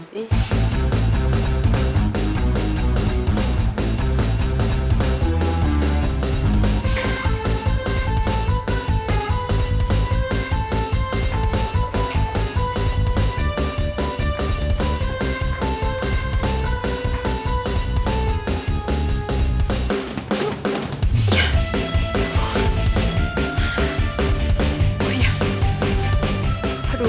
pernah tanya pakein gue